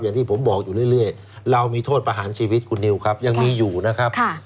อย่างที่ผมบอกอยู่เรื่อยเรามีโทษประหารชีวิตคุณนิวครับยังมีอยู่นะครับ